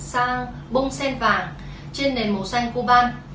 sang bông sen vàng trên nền màu xanh cuban